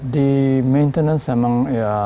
di maintenance memang